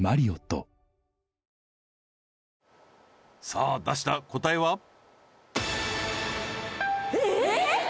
さあ出した答えは？えっ？